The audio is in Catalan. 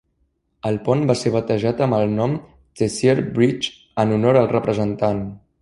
El pont va ser batejat amb el nom Tessier Bridge en honor al representant.